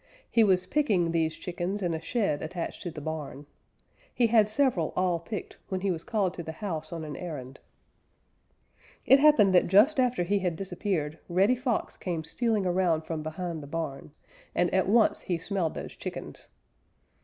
He was picking these chickens in a shed attached to the barn. He had several all picked when he was called to the house on an errand. It happened that just after he had disappeared Reddy Fox came stealing around from behind the barn, and at once he smelled those chickens.